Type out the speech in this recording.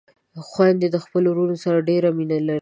خويندې خپلو وروڼو سره ډېره مينه لري